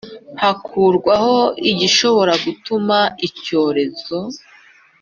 hakurwaho igishobora gutuma icyorezo